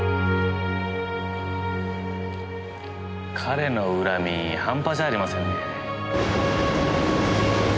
彼の恨み半端じゃありませんね。